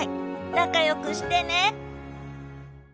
仲良くしてね。